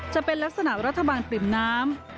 จะเป็นลักษณะรัฐบาลปริ่มน้ำ